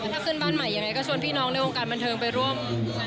ถ้าขึ้นบ้านใหม่ยังไงก็ชวนพี่น้องในวงการบันเทิงไปร่วม